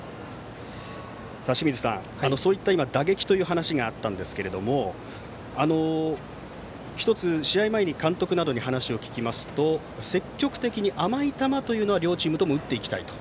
清水さん、打撃という話が今、あったんですけども１つ、試合前に監督などに話を聞きますと積極的に甘い球というのは両チームとも打っていきたいと。